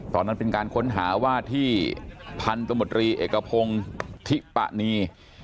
ตอนนั้นเป็นการค้นหาว่าที่พันธมตรีเอกพงศ์ทิปะนี